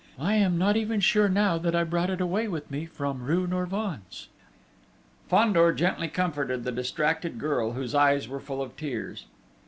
I am not even sure now that I brought it away with me from rue Norvins!" Fandor gently comforted the distracted girl whose eyes were full of tears.